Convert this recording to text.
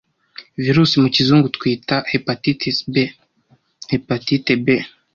virus mu kizungu twita Hepatitis B/ Hepatite B.